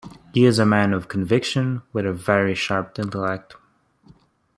He is a man of conviction with a very sharp intellect.